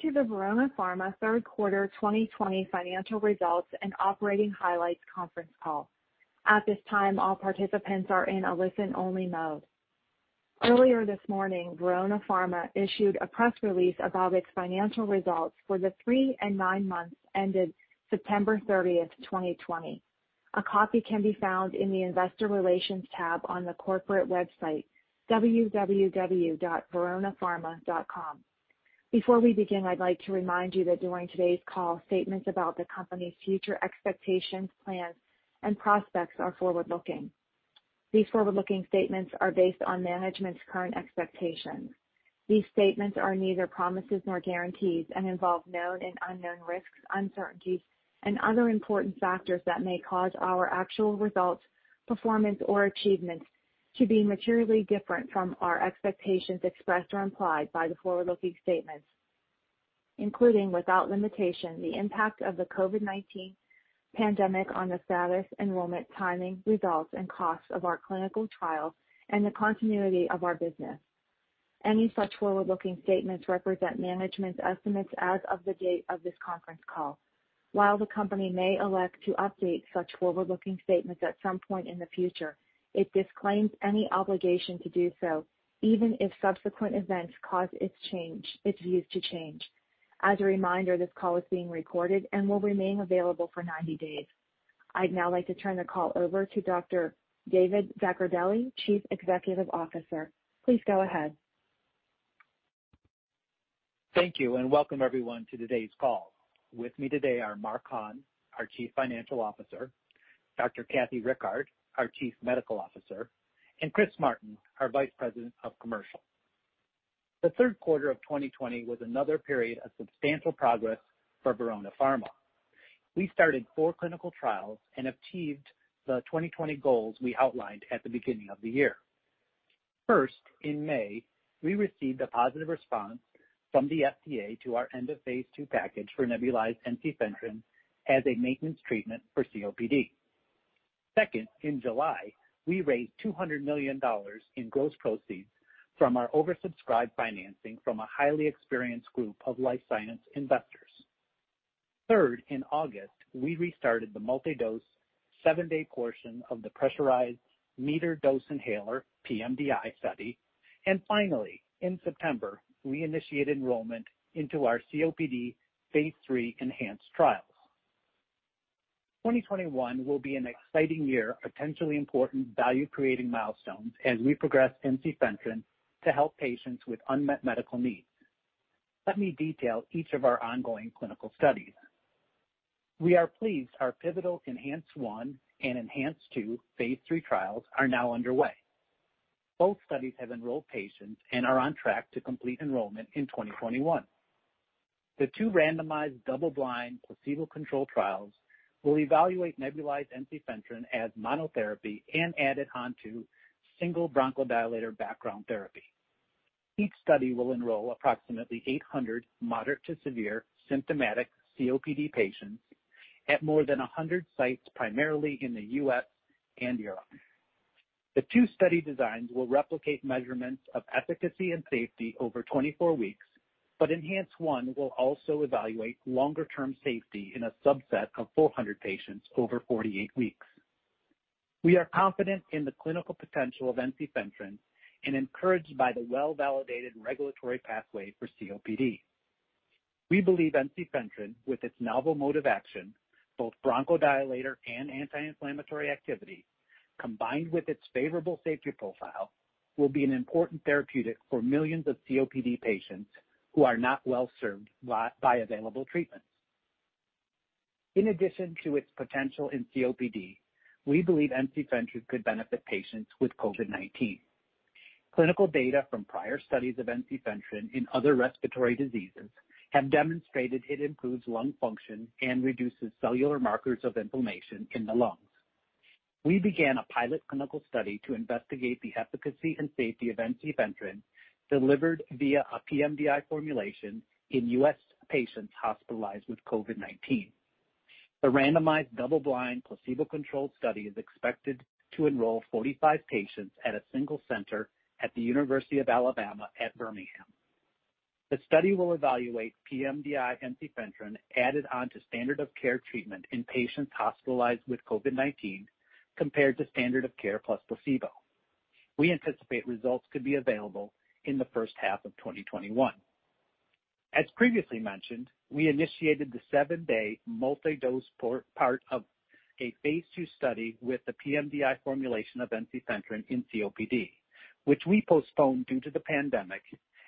Welcome to the Verona Pharma third quarter 2020 financial results and operating highlights conference call. At this time, all participants are in a listen-only mode. Earlier this morning, Verona Pharma issued a press release about its financial results for the three and nine months ended September 30th, 2020. A copy can be found in the investor relations tab on the corporate website, www.veronapharma.com. Before we begin, I'd like to remind you that during today's call, statements about the company's future expectations, plans, and prospects are forward-looking. These forward-looking statements are based on management's current expectations. These statements are neither promises nor guarantees and involve known and unknown risks, uncertainties, and other important factors that may cause our actual results, performance, or achievements to be materially different from our expectations expressed or implied by the forward-looking statements, including, without limitation, the impact of the COVID-19 pandemic on the status, enrollment, timing, results, and costs of our clinical trials and the continuity of our business. Any such forward-looking statements represent management's estimates as of the date of this conference call. While the company may elect to update such forward-looking statements at some point in the future, it disclaims any obligation to do so, even if subsequent events cause its views to change. As a reminder, this call is being recorded and will remain available for 90 days. I'd now like to turn the call over to Dr. David Zaccardelli, Chief Executive Officer. Please go ahead. Thank you. Welcome everyone to today's call. With me today are Mark Hahn, our Chief Financial Officer, Dr. Kathy Rickard, our Chief Medical Officer, and Chris Martin, our Vice President of Commercial. The third quarter of 2020 was another period of substantial progress for Verona Pharma. We started four clinical trials and achieved the 2020 goals we outlined at the beginning of the year. First, in May, we received a positive response from the FDA to our end of phase II package for nebulized ensifentrine as a maintenance treatment for COPD. Second, in July, we raised $200 million in gross proceeds from our oversubscribed financing from a highly experienced group of life science investors. Third, in August, we restarted the multi-dose seven-day portion of the pressurized metered dose inhaler, pMDI study. Finally, in September, we initiated enrollment into our COPD phase III ENHANCE trials. 2021 will be an exciting year of potentially important value-creating milestones as we progress ensifentrine to help patients with unmet medical needs. Let me detail each of our ongoing clinical studies. We are pleased our pivotal ENHANCE-1 and ENHANCE-2 phase III trials are now underway. Both studies have enrolled patients and are on track to complete enrollment in 2021. The two randomized double-blind placebo-controlled trials will evaluate nebulized ensifentrine as monotherapy and added on to single bronchodilator background therapy. Each study will enroll approximately 800 moderate to severe symptomatic COPD patients at more than 100 sites, primarily in the U.S. and Europe. The two study designs will replicate measurements of efficacy and safety over 24 weeks, but ENHANCE-1 will also evaluate longer-term safety in a subset of 400 patients over 48 weeks. We are confident in the clinical potential of ensifentrine and encouraged by the well-validated regulatory pathway for COPD. We believe ensifentrine, with its novel mode of action, both bronchodilator and anti-inflammatory activity, combined with its favorable safety profile, will be an important therapeutic for millions of COPD patients who are not well-served by available treatments. In addition to its potential in COPD, we believe ensifentrine could benefit patients with COVID-19. Clinical data from prior studies of ensifentrine in other respiratory diseases have demonstrated it improves lung function and reduces cellular markers of inflammation in the lungs. We began a pilot clinical study to investigate the efficacy and safety of ensifentrine delivered via a pMDI formulation in U.S. patients hospitalized with COVID-19. The randomized double-blind placebo-controlled study is expected to enroll 45 patients at a single center at the University of Alabama at Birmingham. The study will evaluate pMDI ensifentrine added on to standard of care treatment in patients hospitalized with COVID-19 compared to standard of care plus placebo. We anticipate results could be available in the first half of 2021. As previously mentioned, we initiated the seven-day multi-dose part of a phase II study with the pMDI formulation of ensifentrine in COPD, which we postponed due to the pandemic,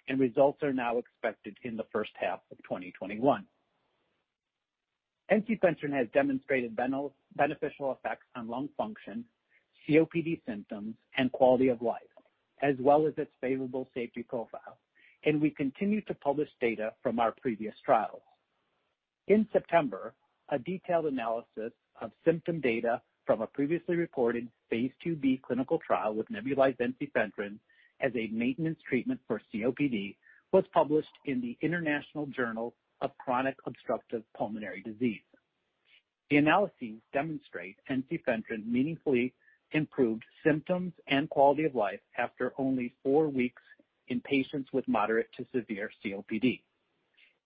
and results are now expected in the first half of 2021. Ensifentrine has demonstrated beneficial effects on lung function, COPD symptoms, and quality of life, as well as its favorable safety profile. We continue to publish data from our previous trials. In September, a detailed analysis of symptom data from a previously reported phase II-B clinical trial with nebulized ensifentrine as a maintenance treatment for COPD was published in the International Journal of Chronic Obstructive Pulmonary Disease. The analyses demonstrate ensifentrine meaningfully improved symptoms and quality of life after only four weeks in patients with moderate to severe COPD.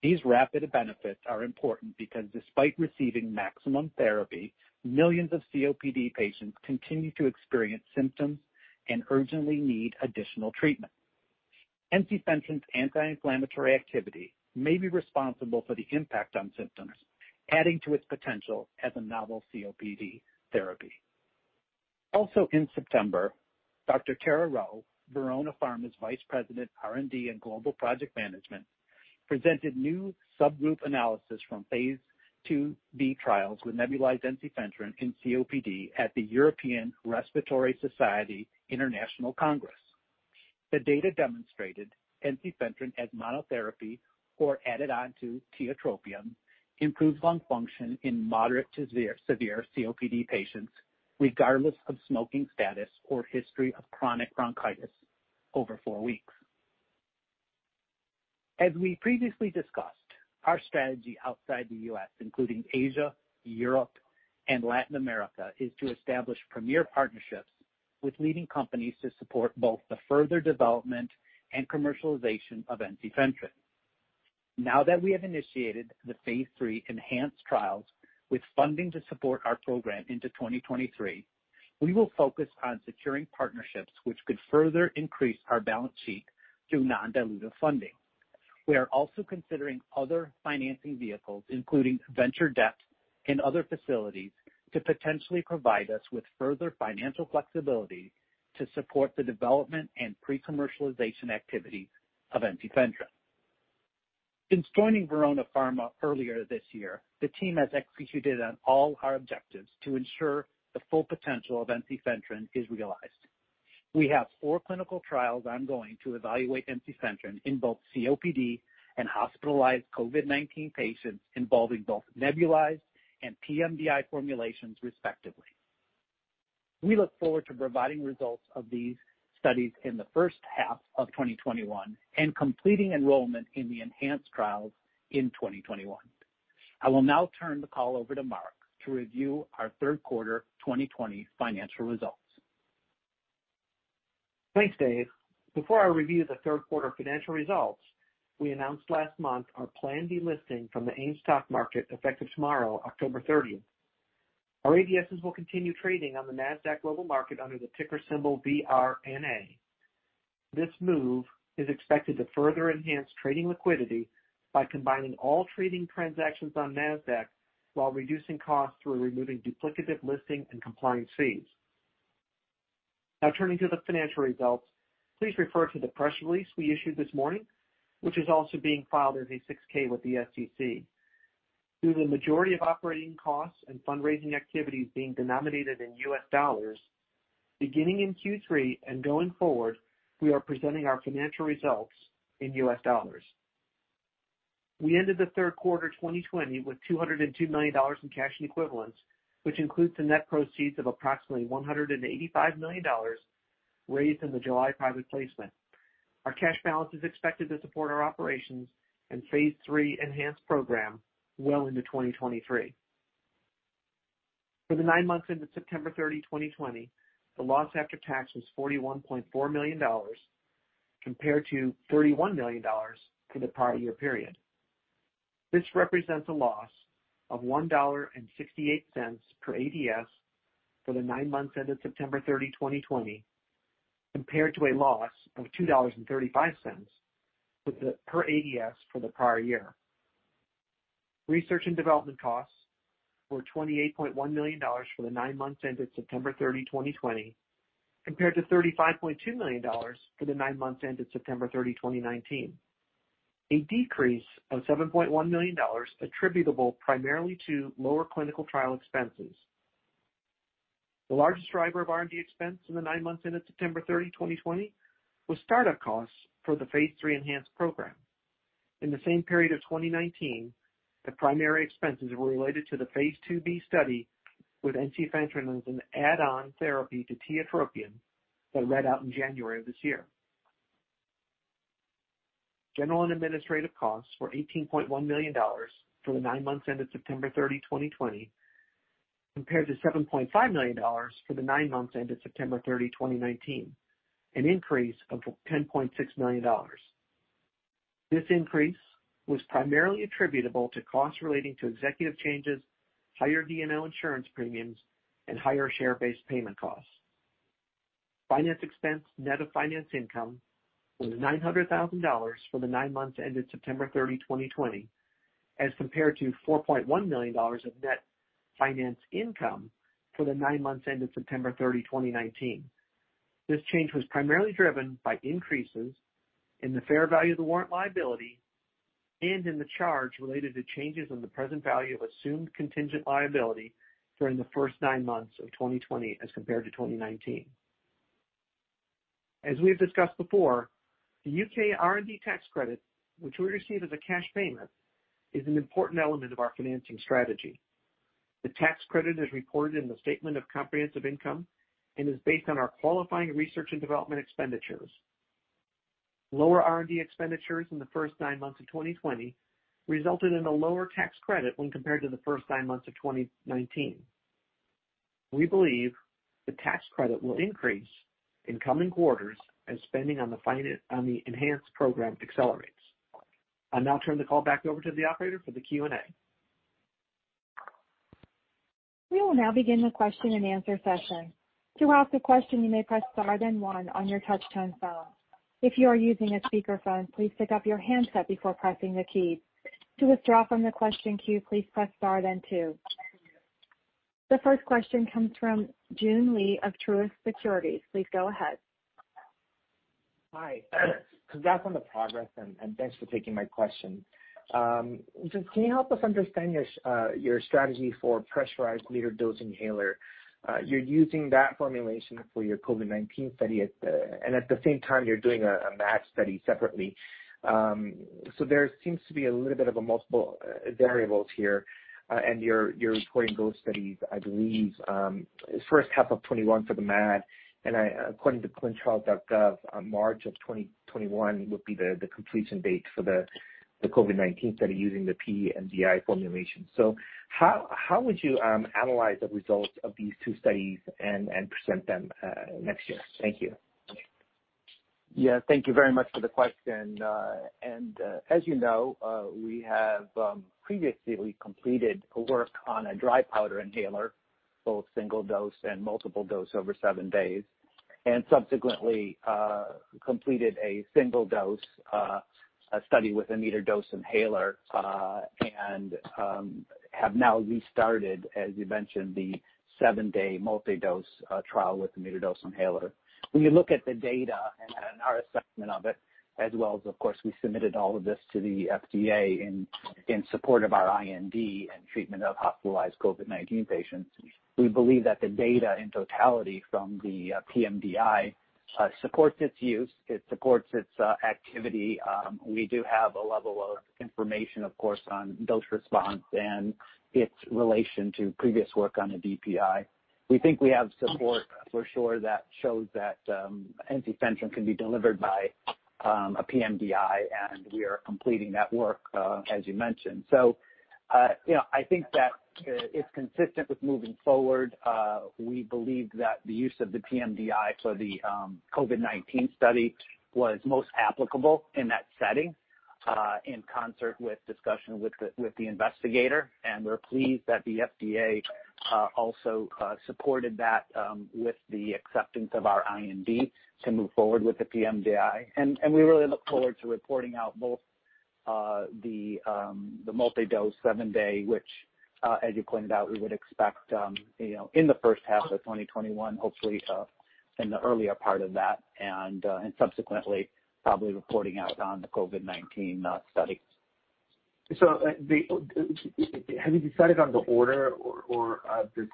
These rapid benefits are important because despite receiving maximum therapy, millions of COPD patients continue to experience symptoms and urgently need additional treatment. Ensifentrine's anti-inflammatory activity may be responsible for the impact on symptoms, adding to its potential as a novel COPD therapy. In September, Dr. Tara Rheault, Verona Pharma's Vice President, R&D and Global Project Management, presented new subgroup analysis from phase IIb trials with nebulized ensifentrine in COPD at the European Respiratory Society International Congress. The data demonstrated ensifentrine as monotherapy or added onto tiotropium improved lung function in moderate to severe COPD patients, regardless of smoking status or history of chronic bronchitis over four weeks. As we previously discussed, our strategy outside the U.S., including Asia, Europe, and Latin America, is to establish premier partnerships with leading companies to support both the further development and commercialization of ensifentrine. Now that we have initiated the phase III ENHANCE trials with funding to support our program into 2023, we will focus on securing partnerships which could further increase our balance sheet through non-dilutive funding. We are also considering other financing vehicles, including venture debt and other facilities, to potentially provide us with further financial flexibility to support the development and pre-commercialization activity of ensifentrine. Since joining Verona Pharma earlier this year, the team has executed on all our objectives to ensure the full potential of ensifentrine is realized. We have four clinical trials ongoing to evaluate ensifentrine in both COPD and hospitalized COVID-19 patients, involving both nebulized and pMDI formulations respectively. We look forward to providing results of these studies in the first half of 2021 and completing enrollment in the ENHANCE trials in 2021. I will now turn the call over to Mark to review our third quarter 2020 financial results. Thanks, Dave. Before I review the third quarter financial results, we announced last month our planned delisting from the AIM Stock Market, effective tomorrow, October 30th. Our ADSs will continue trading on the Nasdaq Global Market under the ticker symbol VRNA. This move is expected to further enhance trading liquidity by combining all trading transactions on Nasdaq while reducing costs through removing duplicative listing and compliance fees. Turning to the financial results, please refer to the press release we issued this morning, which is also being filed as a 6-K with the SEC. Due to the majority of operating costs and fundraising activities being denominated in US dollars, beginning in Q3 and going forward, we are presenting our financial results in U.S. dollars. We ended the third quarter 2020 with $202 million in cash and equivalents, which includes the net proceeds of approximately $185 million raised in the July private placement. Our cash balance is expected to support our operations and phase III ENHANCE program well into 2023. For the nine months ended September 30, 2020, the loss after tax was $41.4 million compared to $41 million for the prior year period. This represents a loss of $1.68 per ADS for the nine months ended September 30, 2020, compared to a loss of $2.35 per ADS for the prior year. Research and development costs were $28.1 million for the nine months ended September 30, 2020, compared to $35.2 million for the nine months ended September 30, 2019, a decrease of $7.1 million attributable primarily to lower clinical trial expenses. The largest driver of R&D expense in the nine months ended September 30, 2020, was startup costs for the phase III ENHANCE program. In the same period of 2019, the primary expenses were related to the phase II-B study with ensifentrine as an add-on therapy to tiotropium that read out in January of this year. General and administrative costs were $18.1 million for the nine months ended September 30, 2020, compared to $7.5 million for the nine months ended September 30, 2019, an increase of $10.6 million. This increase was primarily attributable to costs relating to executive changes, higher D&O insurance premiums, and higher share-based payment costs. Finance expense, net of finance income, was $900,000 for the nine months ended September 30, 2020, as compared to $4.1 million of net finance income for the nine months ended September 30, 2019. This change was primarily driven by increases in the fair value of the warrant liability and in the charge related to changes in the present value of assumed contingent liability during the first nine months of 2020 as compared to 2019. As we have discussed before, the U.K. R&D tax credit, which we receive as a cash payment, is an important element of our financing strategy. The tax credit is reported in the statement of comprehensive income and is based on our qualifying research and development expenditures. Lower R&D expenditures in the first nine months of 2020 resulted in a lower tax credit when compared to the first nine months of 2019. We believe the tax credit will increase in coming quarters as spending on the ENHANCE program accelerates. I'll now turn the call back over to the operator for the Q&A. We will now begin the question-and-answer session. To ask your question, you may press star then one on your touch tone phone. If you're using a speaker phone, please pick up your handset before pressing the keys. To withdraw from the question queue, please press star then two. The first question comes from Joon Lee of Truist Securities. Please go ahead. Hi. Congrats on the progress, thanks for taking my question. Can you help us understand your strategy for pressurized metered-dose inhaler? You're using that formulation for your COVID-19 study, and at the same time, you're doing a MAD study separately. There seems to be a little bit of multiple variables here, and you're reporting those studies, I believe, first half of 2021 for the MAD, and according to ClinicalTrials.gov, March of 2021 would be the completion date for the COVID-19 study using the pMDI formulation. How would you analyze the results of these two studies and present them next year? Thank you. Yeah, thank you very much for the question. As you know, we have previously completed work on a dry powder inhaler, both single dose and multiple dose over seven days, and subsequently completed a single dose study with a metered-dose inhaler, and have now restarted, as you mentioned, the seven-day multi-dose trial with the metered-dose inhaler. When you look at the data and our assessment of it, as well as, of course, we submitted all of this to the FDA in support of our IND and treatment of hospitalized COVID-19 patients. We believe that the data in totality from the pMDI supports its use. It supports its activity. We do have a level of information, of course, on dose response and its relation to previous work on the DPI. We think we have support for sure that shows that ensifentrine can be delivered by a pMDI, and we are completing that work, as you mentioned. So I think that it's consistent with moving forward. We believe that the use of the pMDI for the COVID-19 study was most applicable in that setting, in concert with discussions with the investigator. And we're pleased that the FDA also supported that with the acceptance of our IND to move forward with the pMDI. We really look forward to reporting out both the multi-dose seven-day, which, as you pointed out, we would expect in the first half of 2021, hopefully in the earlier part of that, and subsequently probably reporting out on the COVID-19 study. Have you decided on the order of the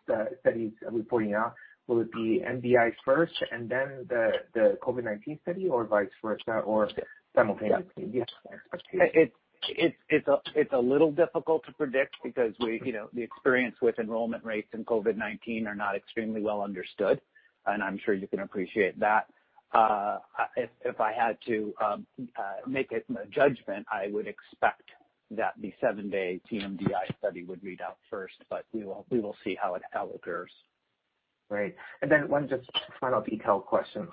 studies reporting out? Will it be MDI first and then the COVID-19 study, or vice versa, or simultaneously? Yes. It's a little difficult to predict because the experience with enrollment rates in COVID-19 are not extremely well understood, and I'm sure you can appreciate that. If I had to make a judgment, I would expect that the seven-day pMDI study would read out first, but we will see how it occurs. Right. One just final detailed question.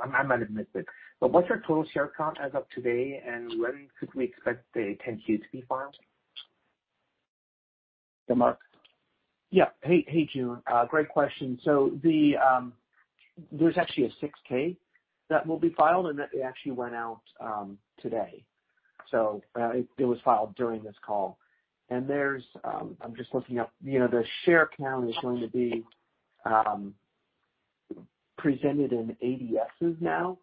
I might have missed it, but what's your total share count as of today, and when could we expect the 10-Q to be filed? Mark? Hey, Joon. Great question. There's actually a 6-K that will be filed and that actually went out today. It was filed during this call. I'm just looking up. The share count is going to be presented in ADSs now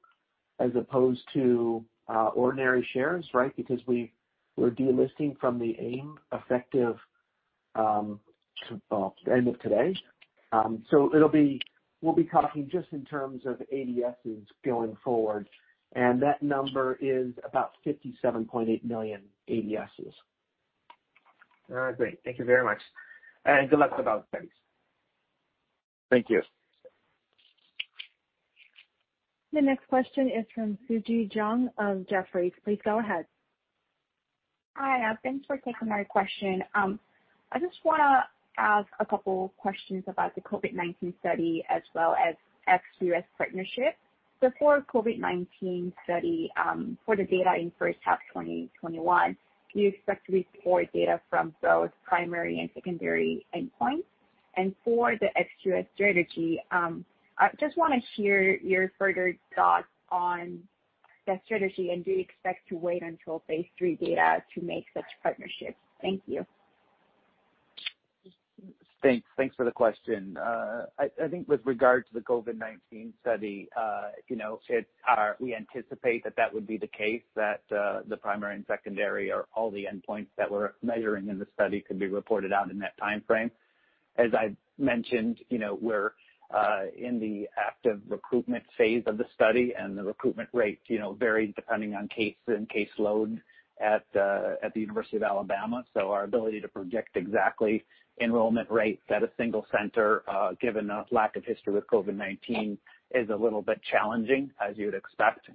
as opposed to ordinary shares, because we're delisting from the AIM effective end of today. We'll be talking just in terms of ADSs going forward, and that number is about 57.8 million ADSs. All right, great. Thank you very much. Good luck with all the studies. Thank you. The next question is from Suji Jeong of Jefferies. Please go ahead. Hi. Thanks for taking my question. I just want to ask a couple questions about the COVID-19 study as well as ex-U.S. partnerships. For COVID-19 study, for the data in first half 2021, do you expect to report data from both primary and secondary endpoints? For the ex-U.S. strategy, I just want to hear your further thoughts on that strategy, and do you expect to wait until phase III data to make such partnerships? Thank you. Thanks for the question. I think with regard to the COVID-19 study, we anticipate that that would be the case, that the primary and secondary or all the endpoints that we're measuring in the study could be reported out in that timeframe. As I mentioned, we're in the active recruitment phase of the study, and the recruitment rate varies depending on cases and caseload at the University of Alabama. Our ability to project exactly enrollment rates at a single center, given a lack of history with COVID-19, is a little bit challenging as you would expect.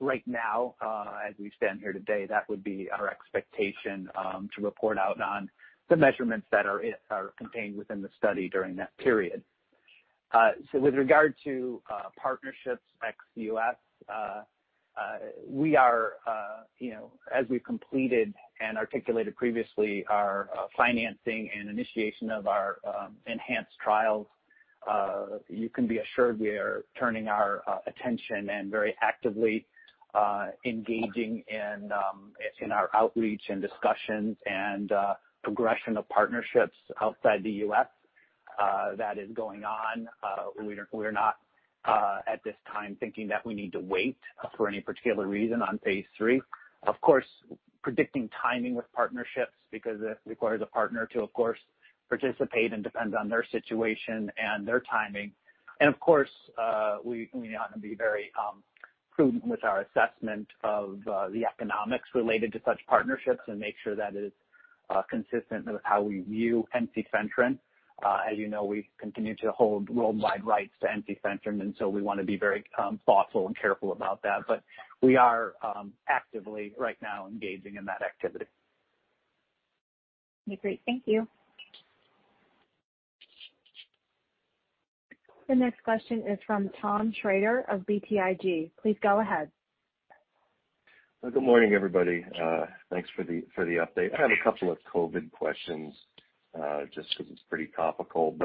Right now, as we stand here today, that would be our expectation to report out on the measurements that are contained within the study during that period. With regard to partnerships ex-US, as we've completed and articulated previously our financing and initiation of our ENHANCE trials, you can be assured we are turning our attention and very actively engaging in our outreach and discussions and progression of partnerships outside the U.S. That is going on. We're not at this time thinking that we need to wait for any particular reason on phase III. Of course, predicting timing with partnerships, because it requires a partner to, of course, participate and depends on their situation and their timing. Of course, we ought to be very prudent with our assessment of the economics related to such partnerships and make sure that it is consistent with how we view ensifentrine. As you know, we continue to hold worldwide rights to ensifentrine, and so we want to be very thoughtful and careful about that. We are actively right now engaging in that activity. Okay, great. Thank you. The next question is from Tom Shrader of BTIG. Please go ahead. Good morning, everybody. Thanks for the update. I have a couple of COVID questions just because it's pretty topical.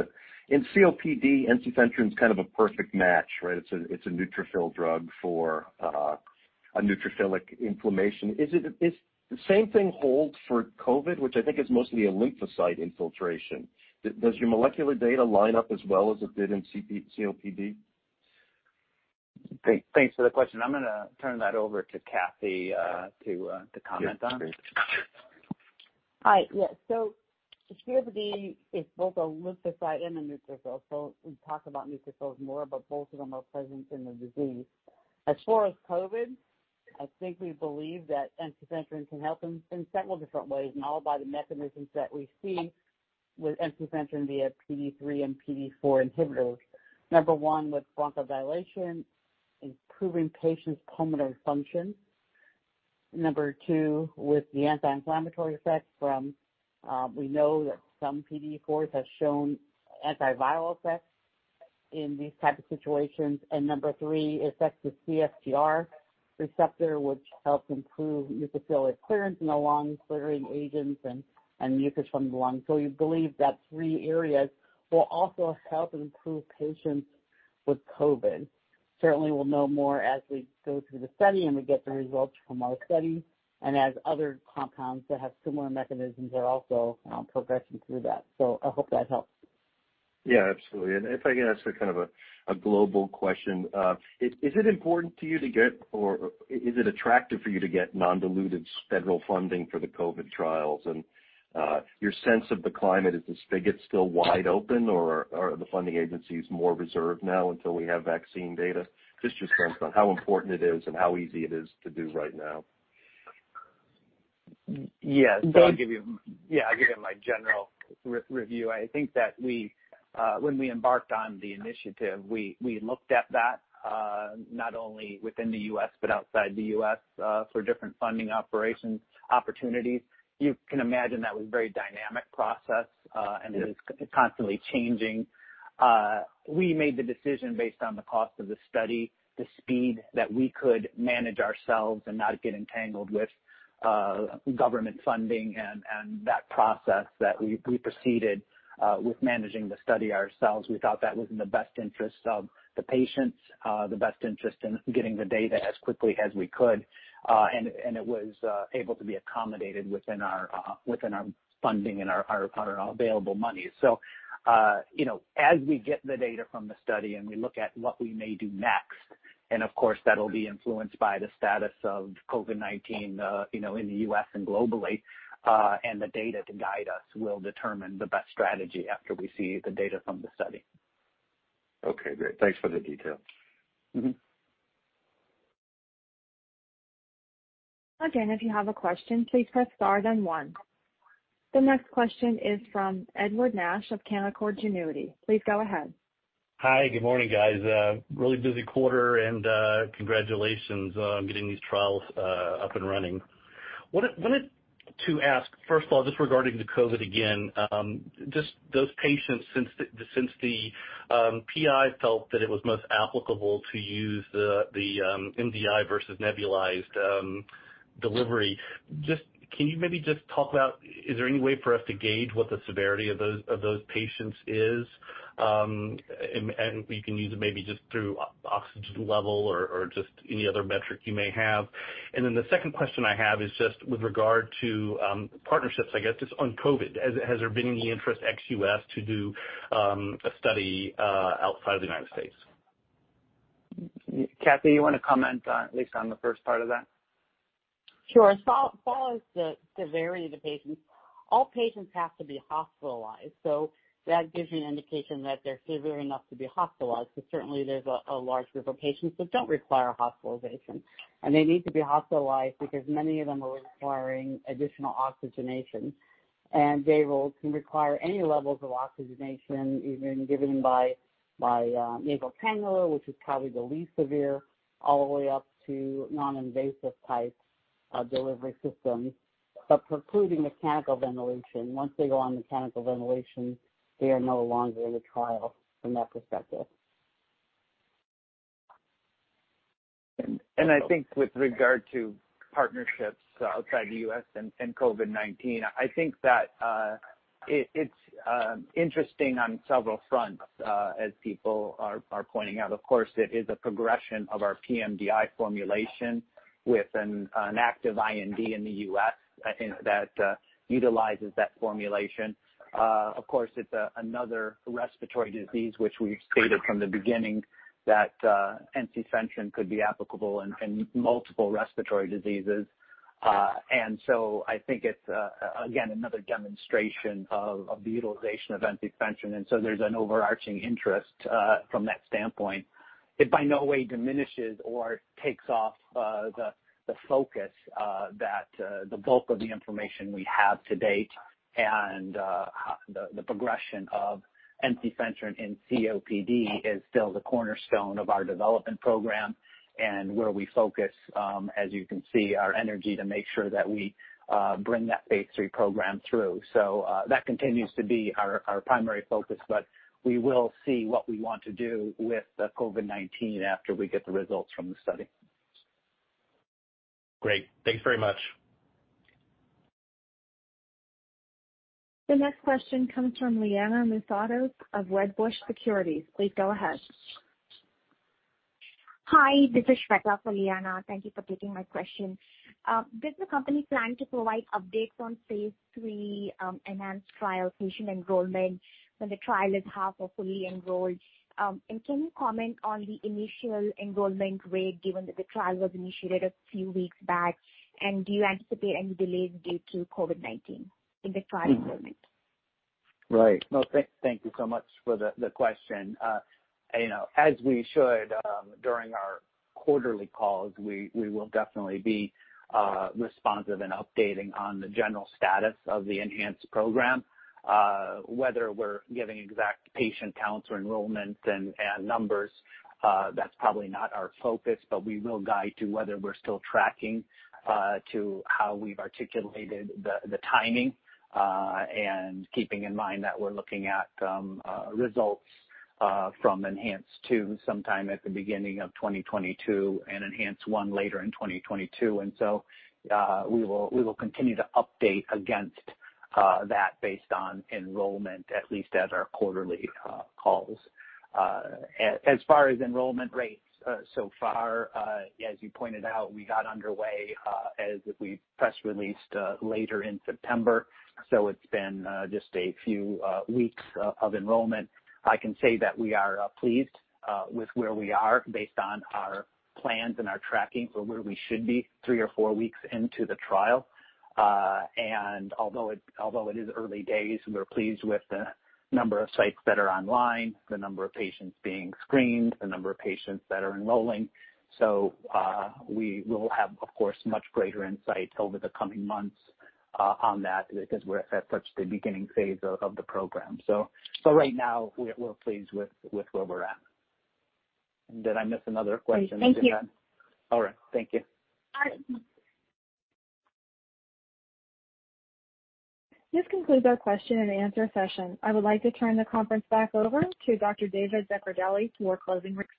In COPD, ensifentrine's kind of a perfect match, right? It's a neutrophil drug for a neutrophilic inflammation. Does the same thing hold for COVID, which I think is mostly a lymphocyte infiltration? Does your molecular data line up as well as it did in COPD? Thanks for the question. I'm going to turn that over to Kathy to comment on. Yes, great. Hi. Yes. COPD is both a lymphocyte and a neutrophil. We talk about neutrophils more, but both of them are present in the disease. As far as COVID, I think we believe that ensifentrine can help in several different ways and all by the mechanisms that we see with ensifentrine via PDE3 and PDE4 inhibitors. Number one, with bronchodilation, improving patients' pulmonary function. Number two, with the anti-inflammatory effects from, we know that some PDE4s have shown anti-viral effects in these type of situations. Number three, effects the CFTR receptor, which helps improve neutrophil clearance in the lung, clearing agents and mucus from the lung. We believe that three areas will also help improve patients with COVID. Certainly, we'll know more as we go through the study and we get the results from our study, and as other compounds that have similar mechanisms are also progressing through that. I hope that helps. Yeah, absolutely. If I could ask a kind of a global question. Is it important to you to get, or is it attractive for you to get non-diluted federal funding for the COVID trials? Your sense of the climate, is the spigot still wide open, or are the funding agencies more reserved now until we have vaccine data? Just curious on how important it is and how easy it is to do right now. Yeah. I'll give you my general review. I think that when we embarked on the initiative, we looked at that, not only within the U.S. but outside the U.S., for different funding operation opportunities. You can imagine that was a very dynamic process and it is constantly changing. We made the decision based on the cost of the study, the speed that we could manage ourselves and not get entangled with government funding and that process, that we proceeded with managing the study ourselves. We thought that was in the best interest of the patients, the best interest in getting the data as quickly as we could. It was able to be accommodated within our funding and our available monies. As we get the data from the study and we look at what we may do next, and of course that'll be influenced by the status of COVID-19 in the U.S. and globally, and the data to guide us will determine the best strategy after we see the data from the study. Okay, great. Thanks for the details. Again, if you have a question, please press star then one. The next question is from Edward Nash of Canaccord Genuity. Please go ahead. Hi, good morning, guys. A really busy quarter and congratulations on getting these trials up and running. Wanted to ask, first of all, just regarding the COVID again, just those patients since the PIs felt that it was most applicable to use the MDI versus nebulized delivery, can you maybe just talk about, is there any way for us to gauge what the severity of those patients is? We can use it maybe just through oxygen level or just any other metric you may have. The second question I have is just with regard to partnerships, I guess, just on COVID. Has there been any interest ex-U.S. to do a study outside of the United States? Kathy, you want to comment at least on the first part of that? Sure. As far as the severity of the patients, all patients have to be hospitalized. That gives you an indication that they're severe enough to be hospitalized. Certainly there's a large group of patients that don't require hospitalization, and they need to be hospitalized because many of them are requiring additional oxygenation, and they can require any levels of oxygenation, even given by nasal cannula, which is probably the least severe, all the way up to non-invasive type delivery systems. Precluding mechanical ventilation, once they go on mechanical ventilation, they are no longer in the trial from that perspective. I think with regard to partnerships outside the U.S. and COVID-19, I think that it is interesting on several fronts as people are pointing out. Of course, it is a progression of our pMDI formulation with an active IND in the U.S. that utilizes that formulation. Of course, it is another respiratory disease which we have stated from the beginning that ensifentrine could be applicable in multiple respiratory diseases. I think it is again another demonstration of the utilization of ensifentrine. There is an overarching interest from that standpoint. It by no way diminishes or takes off the focus that the bulk of the information we have to date and the progression of ensifentrine in COPD is still the cornerstone of our development program and where we focus, as you can see, our energy to make sure that we bring that phase III program through. That continues to be our primary focus. We will see what we want to do with COVID-19 after we get the results from the study. Great. Thanks very much. The next question comes from Liana Moussatos of Wedbush Securities. Please go ahead. Hi, this is Shveta for Liana. Thank you for taking my question. Does the company plan to provide updates on phase III ENHANCE trial patient enrollment when the trial is half or fully enrolled? Can you comment on the initial enrollment rate given that the trial was initiated a few weeks back? Do you anticipate any delays due to COVID-19 in the trial enrollment? Right. Thank you so much for the question. As we should during our quarterly calls, we will definitely be responsive in updating on the general status of the ENHANCE program whether we're giving exact patient counts or enrollments and numbers, that's probably not our focus. We will guide to whether we're still tracking to how we've articulated the timing and keeping in mind that we're looking at results from ENHANCE-2 sometime at the beginning of 2022 and ENHANCE-1 later in 2022. We will continue to update against that based on enrollment at least at our quarterly calls. As far as enrollment rates so far, as you pointed out, we got underway as we press released later in September. It's been just a few weeks of enrollment. I can say that we are pleased with where we are based on our plans and our tracking for where we should be three or four weeks into the trial. Although it is early days, we're pleased with the number of sites that are online, the number of patients being screened, the number of patients that are enrolling. We will have, of course, much greater insight over the coming months on that because we're at such the beginning phase of the program. Right now we're pleased with where we're at. Did I miss another question in there? Thank you. All right. Thank you. This concludes our question-and-answer session. I would like to turn the conference back over to Dr. David Zaccardelli for closing remarks.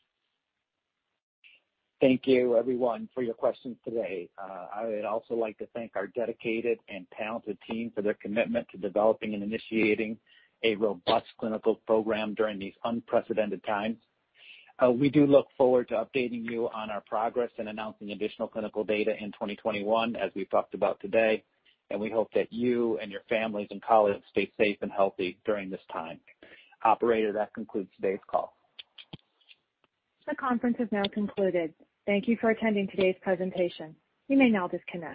Thank you everyone for your questions today. I would also like to thank our dedicated and talented team for their commitment to developing and initiating a robust clinical program during these unprecedented times. We do look forward to updating you on our progress and announcing additional clinical data in 2021, as we've talked about today, and we hope that you and your families and colleagues stay safe and healthy during this time. Operator, that concludes today's call. The conference has now concluded. Thank you for attending today's presentation. You may now disconnect.